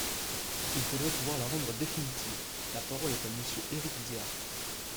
Il faudrait pouvoir la rendre définitive ! La parole est à Monsieur Éric Diard.